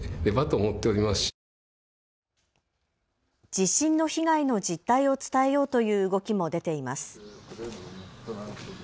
地震の被害の実態を伝えようという動きも出ています。